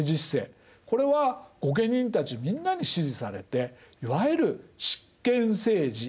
これは御家人たちみんなに支持されていわゆる執権政治が確立しました。